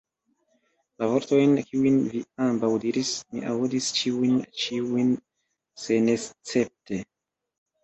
La vortojn, kiujn vi ambaŭ diris, mi aŭdis ĉiujn, ĉiujn senescepte.